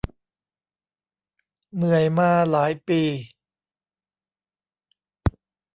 เหนื่อยมาหลายปี